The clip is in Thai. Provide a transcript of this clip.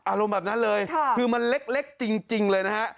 แบบนั้นเลยคือมันเล็กจริงเลยนะฮะ